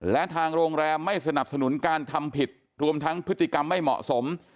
และทางโรงแรมไม่สนับสนุนการทำผิดรวมทั้งพฤติกรรมไม่เหมาะสม